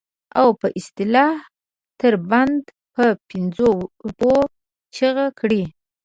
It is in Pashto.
او په اصطلاح تر بنده په پنځو روپو چیغه کړي.